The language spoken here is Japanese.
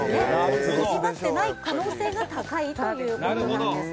筋張っていない可能性が高いということなんです。